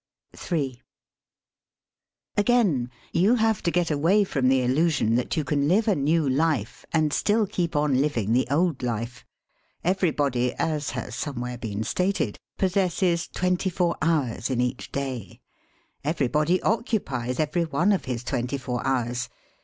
m Again, you have to get away from the illusion that you can live a new life and still keep on living the old life. Everybody, as has somewhere been stated, possesses twenty four hours in each day. Everybody occupies every one of his twenty four hours.